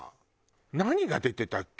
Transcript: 何が出てたっけ？